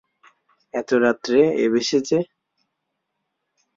এত রাত্রে এ বেশে যে?